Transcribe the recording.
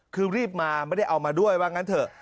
คือรีบมาไม่ได้เอามาด้วยว่างั้นเถอะ